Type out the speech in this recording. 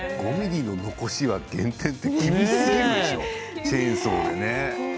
５ｍｍの残しで減点って厳しいでしょチェーンソーでね。